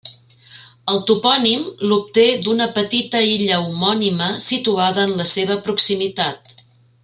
El topònim l'obté d'una petita illa homònima situada en la seva proximitat.